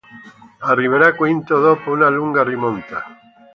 Arriverà quinto dopo una lunga rimonta.